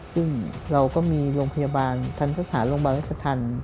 ซึ่งเราก็มีโรงพยาบาลทันสถานโรงพยาบาลรัชธรรม